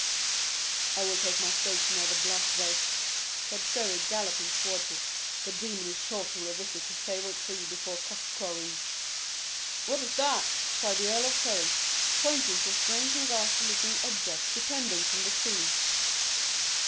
"I will take my station near the blasted oak," said Surrey, galloping towards it: "the demon is sure to revisit his favourite tree before cock crowing." "What is that?" cried the Earl of Surrey, pointing to a strange and ghastly looking object depending from the tree.